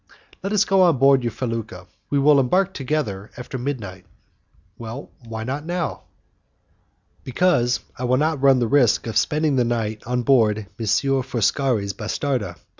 Well, let us go on board your felucca. We will embark together after midnight." "Why not now?" "Because I will not run the risk of spending the night on board M. Foscari's bastarda.